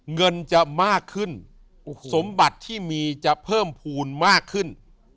เงินจะมากขึ้นสมบัติที่มีจะเพิ่มภูมิมากขึ้น